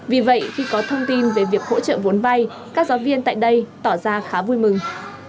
vì vậy khi có thông tin về việc hỗ trợ vốn vay các giáo viên tại đây tỏ ra khá vui mừng